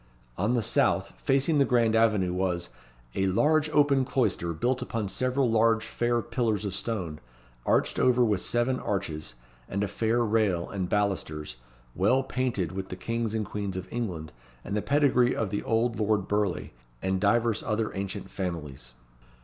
On the south, facing the grand avenue, was "a large open cloister, built upon several large fair pillars of stone, arched over with seven arches, with a fair rail, and balusters, well painted with the Kings and Queens of England, and the pedigree of the old Lord Burleigh, and divers other ancient families."